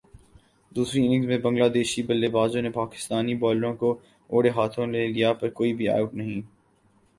دوسری اننگز میں بنگلہ دیشی بلے بازوں نے پاکستانی بالروں کو اڑھے ہاتھوں لے لیا پر کوئی بھی اوٹ نہیں